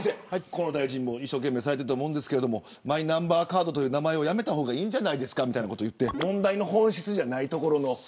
河野大臣も一生懸命されていると思いますがマイナンバーカードという名前をやめた方がいいんじゃないかと言って本質的な問題じゃない。